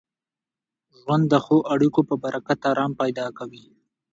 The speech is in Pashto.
ژوند د ښو اړیکو په برکت ارام پیدا کوي.